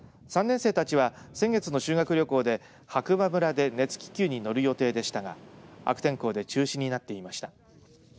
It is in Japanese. ３年生たちは先月の修学旅行で白馬村で熱気球に乗る予定でしたが悪天候で中止になっていました。